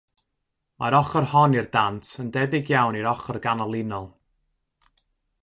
Mae'r ochr hon i'r dant yn debyg iawn i'r ochr ganol-linol.